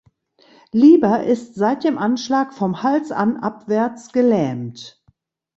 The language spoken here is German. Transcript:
Liber ist seit dem Anschlag vom Hals an abwärts gelähmt.